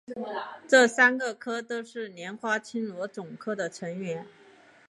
这三个科都是莲花青螺总科的成员。